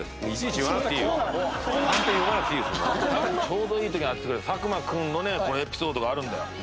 ちょうどいい時に当ててくれた作間君のねエピソードがあるんだよ。